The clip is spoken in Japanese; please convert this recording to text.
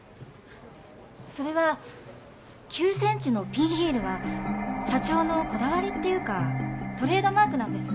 それは９センチのピンヒールは社長のこだわりっていうかトレードマークなんです。